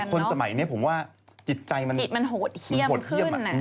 คนสมัยนี้จิตใจมันโหดเข้มขึ้น